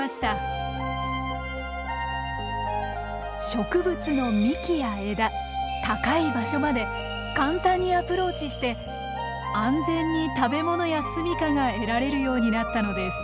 植物の幹や枝高い場所まで簡単にアプローチして安全に食べ物やすみかが得られるようになったのです。